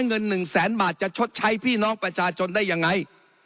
เงิน๑แสนบาทจะชดใช้พี่น้องประชาชนได้ยังไง